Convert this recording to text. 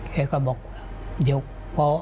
แกก็บอกเดี๋ยวพอ